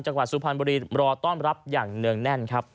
จังหวัดสุพรรณบุรีรอต้อนรับอย่างเนื่องแน่นครับ